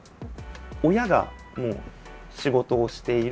親がもう仕事をしている。